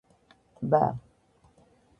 ტბა